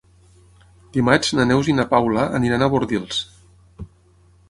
Dimarts na Neus i na Paula aniran a Bordils.